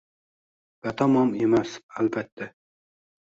Batamom emas, albatta.